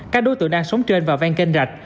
các đối tượng đang sống trên và ven kênh rạch